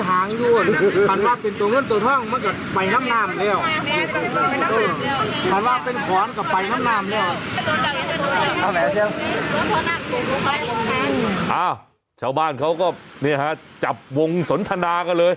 อ้าวชาวบ้านเขาก็จะจับวงษนทะนากันเลย